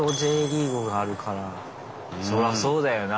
そらそうだよな